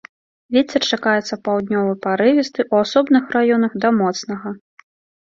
Вецер чакаецца паўднёвы парывісты, у асобных раёнах да моцнага.